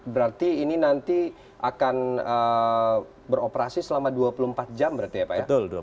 berarti ini nanti akan beroperasi selama dua puluh empat jam berarti ya pak ya